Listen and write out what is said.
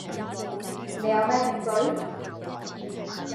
你有咩證據?